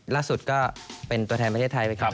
ล่าสุดก็เป็นตัวแทนประเทศไทยไปครับ